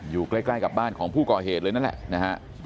อยู่ใกล้กับบ้านของผู้ก่อเหตุเลยนั่นแหละนะฮะ